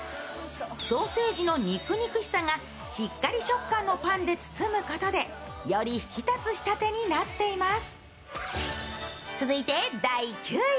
ソーセージの肉々しさがしっかり食感のパンで包むことでより引き立つ仕立てになっています。